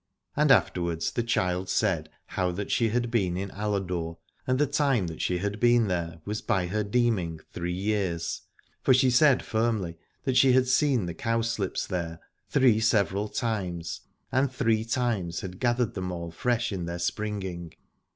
And after wards the child said how that she had been in Aladore, and the time that she had been there was by her deeming three years, for she said firmly that she had seen the cow slips there three several times, and three times had gathered them all fresh in their springing.